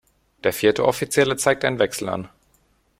Der vierte Offizielle zeigt einen Wechsel an.